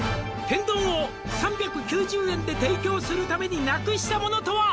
「天丼を３９０円で提供するためになくしたものとは」